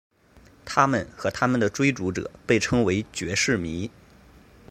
他们和他们的追随者被称为爵士迷。